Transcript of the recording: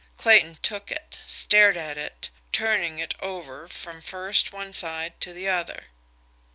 Clayton took it, stared at it, turning it over from first one side to the other.